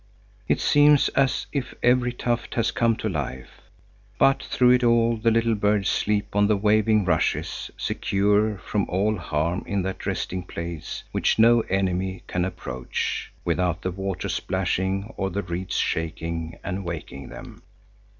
It seems as if every tuft has come to life. But through it all the little birds sleep on the waving rushes, secure from all harm in that resting place which no enemy can approach, without the water splashing or the reeds shaking and waking them.